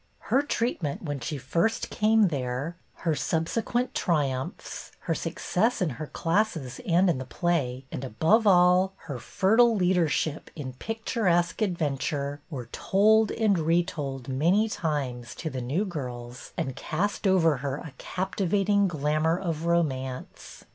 Her treatment when she first came there, her subsequent triumphs, her success in her classes and in the play, and above all, her fertile leadership in picturesque adven ture, were told and retold many times to the new girls and cast over her a captivating glamour of romance.